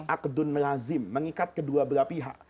akdun melazim mengikat kedua belah pihak